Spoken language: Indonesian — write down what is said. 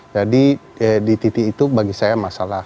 jadi di titik itu bagi saya masalah